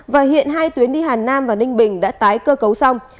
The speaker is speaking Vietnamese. và hiện hai tuyến đi hà nam và ninh bình đã tái cơ cấu xong